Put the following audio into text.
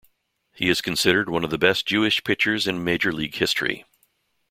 He is considered one of the best Jewish pitchers in major league history.